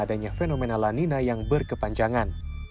adanya fenomena lanina yang berkepanjangan